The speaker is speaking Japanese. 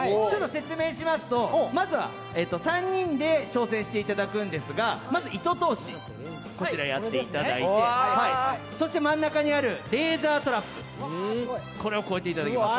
説明しますと、まずは、３人で挑戦していただくんですが、まず糸通しをやっていただいて、真ん中にあるレーザートラップを超えていただきます。